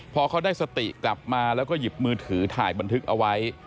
พอเขาได้สติกลับมาแล้วก็หยิบมือถือถ่ายบันทึกเอาไว้